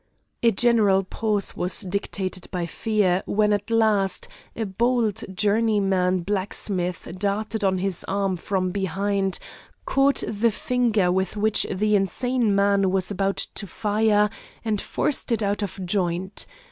A general pause was dictated by fear, when at last, a bold journeyman blacksmith darted on his arm from behind, caught the finger with which the insane man was about to fire, and forced it out of joint.